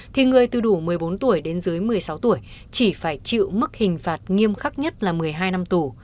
thì người từ đủ một mươi bốn tuổi đến dưới một mươi sáu tuổi chỉ phải chịu mức hình phạt nghiêm khắc nhất là một mươi hai năm tù